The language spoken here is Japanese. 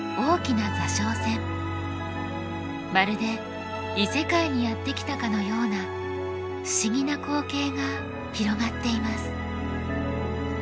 まるで異世界にやって来たかのような不思議な光景が広がっています。